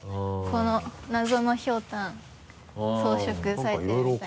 この謎のひょうたん装飾されてみたいな。